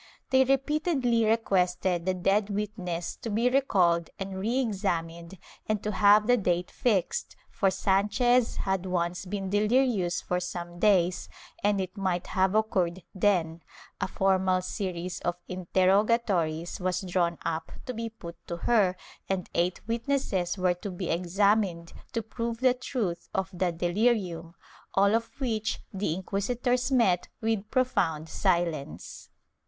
They repeatedly requested the dead witness to be recalled and re examined and to have the date fixed, for Sdn chez had once been delirious for some days and it might have occurred then; a formal series of interrogatories was drawn up to be put to her, and eight witnesses were to be examined to prove the truth of the delirium, all of which the inquisitors met with profound silence.